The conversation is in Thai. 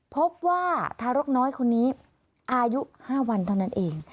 พบว่าทารกน้อยคนนี้อายุ๕วันเท่านั้นเอง